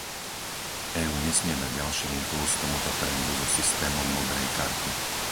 EÚ nesmie dať ďalší impulz tomuto trendu so systémom modrej karty.